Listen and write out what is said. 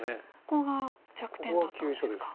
ここが弱点だったんですか。